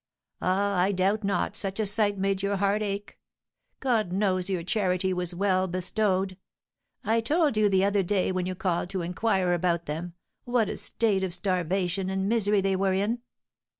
Ah, I doubt not, such a sight made your heart ache? God knows your charity was well bestowed! I told you the other day, when you called to inquire about them, what a state of starvation and misery they were in.